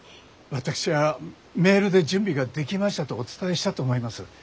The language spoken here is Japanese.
私はメールで「準備が出来ました」とお伝えしたと思います。